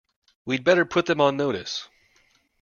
We'd better put them on notice